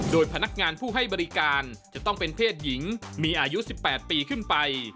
โดยพนักงานผู้ให้บริการจะต้องเป็นเพศหญิงมีอายุ๑๘ปีขึ้นไป